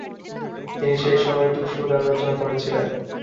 তিনি সে সময়ে টুসু গান রচনা করেছিলেন।